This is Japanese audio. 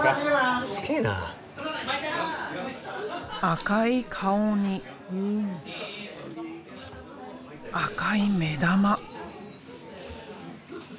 赤い顔に赤い目玉。